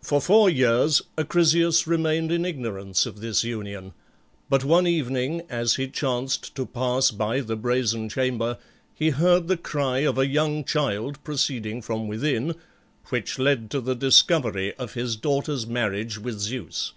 For four years Acrisius remained in ignorance of this union, but one evening as he chanced to pass by the brazen chamber, he heard the cry of a young child proceeding from within, which led to the discovery of his daughter's marriage with Zeus.